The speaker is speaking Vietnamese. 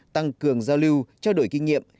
tăng cường giao lưu trao đổi kinh nghiệm